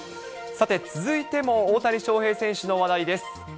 さて、続いても大谷翔平選手の話題です。